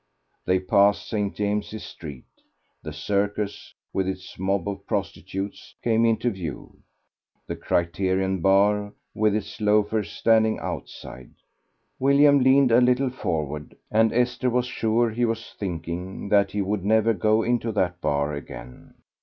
They passed St. James's Street. The Circus, with its mob of prostitutes, came into view; the "Criterion" bar, with its loafers standing outside. William leaned a little forward, and Esther was sure he was thinking that he would never go into that bar again.